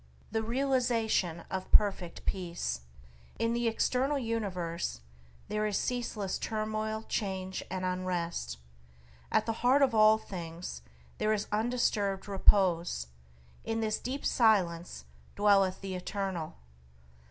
THE REALIZATION OF PERFECT PEACE In the external universe there is ceaseless turmoil, change, and unrest; at the heart of all things there is undisturbed repose; in this deep silence dwelleth the Eternal.